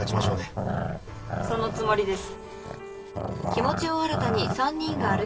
そのつもりです。